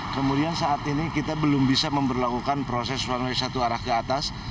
kemudian saat ini kita belum bisa memperlakukan proses runway satu arah ke atas